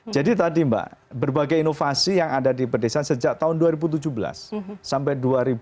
jadi tadi mbak berbagai inovasi yang ada di perdesaan sejak tahun dua ribu tujuh belas sampai dua ribu delapan belas